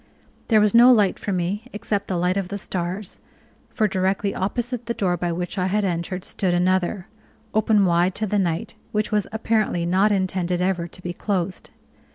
There was no light for me except the light of the stars; for directly opposite the door by which I had entered stood another, open wide to the night, which was apparently not intended ever to be closed.